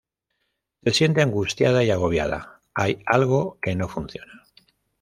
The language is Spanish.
Se siente angustiada y agobiada, hay algo que no funciona.